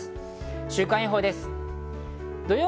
週間予報です。